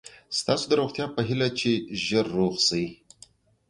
ستاسو د روغتیا په هیله چې ژر روغ شئ.